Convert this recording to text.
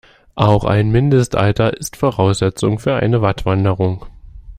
Auch ein Mindestalter ist Voraussetzung für eine Wattwanderung.